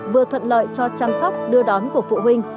vừa thuận lợi cho chăm sóc đưa đón của phụ huynh